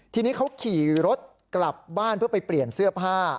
ทีนี้เขาขี่รถกลับบ้านเพื่อไปเปลี่ยนเสื้อผ้า